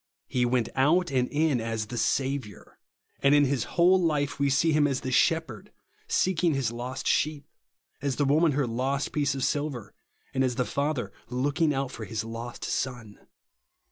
He went out and in as the Saviour ; and in his whole life we see him as the Shepherd seeking his lost sheep, as the woman her lost piece of silver, and as the father looking out for his lost son.